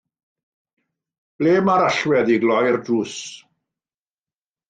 Ble mae'r allwedd i gloi'r drws?